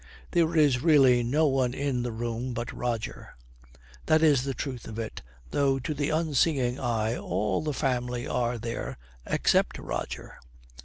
There is really no one in the room but Roger. That is the truth of it, though to the unseeing eye all the family are there except Roger.